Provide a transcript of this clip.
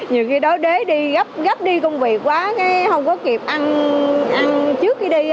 nhiều khi đó đến đi gấp đi công việc quá không có kịp ăn trước khi đi